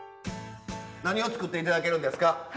何を作って頂けるんですか？